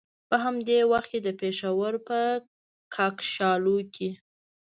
په همدې وخت کې د پېښور په کاکشالو کې.